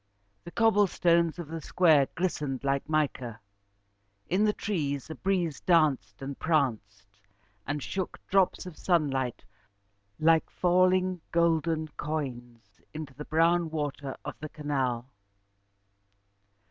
The cobble stones of the square glistened like mica. In the trees, a breeze danced and pranced, and shook drops of sunlight like falling golden coins into the brown water of the canal.